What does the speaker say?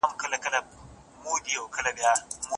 داسي ښکاري چي بېلېږي د ژوند لاره